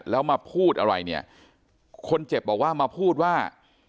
แล้วมาพูดอะไรเนี่ยคนเจ็บบอกว่ามาพูดว่า